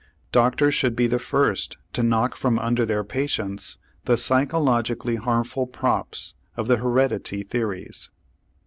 Doctors should be the first to knock from under their patients the psychologically harmful props of the heredity theories.